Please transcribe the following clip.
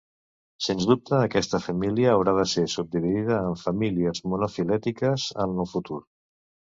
Sens dubte aquesta família haurà de ser subdividida en famílies monofilètiques en el futur.